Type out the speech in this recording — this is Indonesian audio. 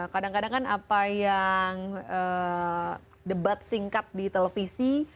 kadang kadang kan apa yang debat singkat di televisi